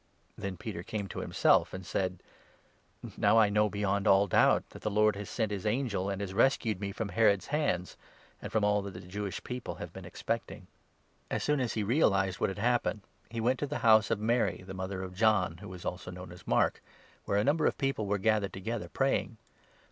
Then Peter came to himself and said : 1 1 " Now I know beyond all doubt that the Lord has sent his angd, and has rescued me from Herod's hands and from all that the Jewish people have been expecting." THE ACTS, 12 18. 237 As soon as he realized what had happened, he went to the 12 house of Mary, the mother of John who was also known as Mark, where a number of people were gathered together, praying.